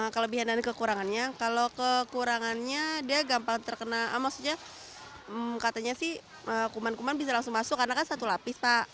kelebihan dan kekurangannya kalau kekurangannya dia gampang terkena maksudnya katanya sih kuman kuman bisa langsung masuk karena kan satu lapis pak